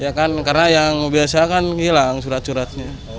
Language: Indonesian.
ya kan karena yang biasa kan hilang surat suratnya